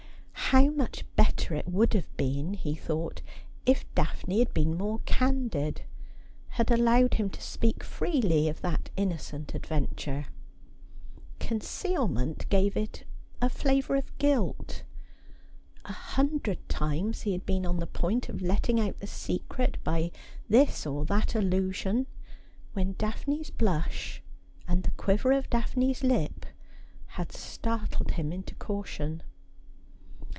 How much better it would have been, he thought, if Daphne had been more candid, had allowed him to speak freely of that innocent adventure ! Concealment gave it a flavour of guilt. A hundred times he had been on the point of letting out the secret by this or that allusion, when Daphne's blush and the quiver of Daphne's lip had startled him into caution.